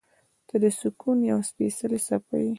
• ته د سکون یوه سپېڅلې څپه یې.